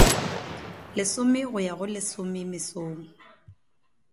Lesome go ya go lesome mesong.